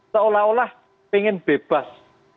seolah olah ingin bebas